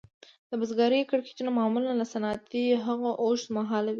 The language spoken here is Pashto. د بزګرۍ کړکېچونه معمولاً له صنعتي هغو اوږد مهاله وي